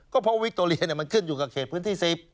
ก็เพราะวิคโตเรียมันขึ้นอยู่กับเขตพื้นที่๑๐